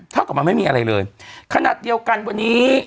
เท่ากับมันไม่มีอะไรเลยขนาดเดียวกันวันนี้